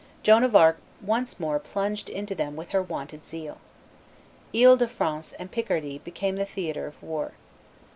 Joan of Arc once more plunged into them with her wonted zeal. Ile de France and Picardy became the theatre of war.